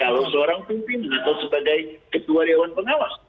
kalau seorang pimpinan atau sebagai ketua dewan pengawas